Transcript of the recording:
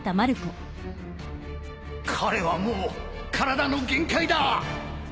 彼はもう体の限界だ